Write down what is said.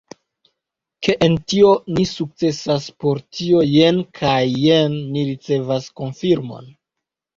Ke en tio ni sukcesas, por tio jen kaj jen ni ricevas konfirmon.